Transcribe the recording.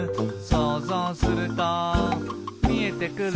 「そうぞうするとみえてくる」